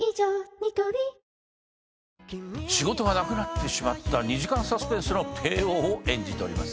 ニトリ仕事がなくなってしまった２時間サスペンスの帝王を演じてます。